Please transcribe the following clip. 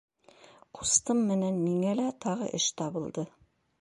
Ҡустым менән миңә лә тағы эш табылды.